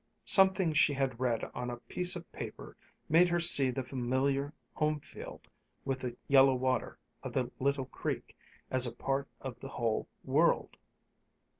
Something she had read on a piece of paper made her see the familiar home field with the yellow water of the little creek, as a part of the whole world.